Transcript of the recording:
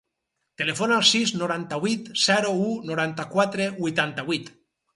Telefona al sis, noranta-vuit, zero, u, noranta-quatre, vuitanta-vuit.